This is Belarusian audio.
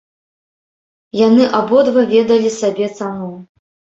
Яны абодва ведалі сабе цану.